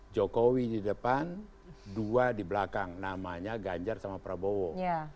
jokowi di depan dua di belakang namanya ganjar sama prabowo